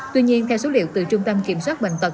tuy nhiên theo số liệu từ trung tâm kiểm soát bệnh tật